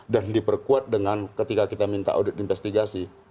dan diperkuat dengan ketika kita minta audit investigasi